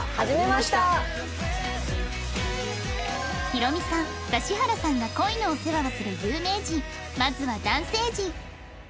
ヒロミさん指原さんが恋のお世話をする有名人まずは男性陣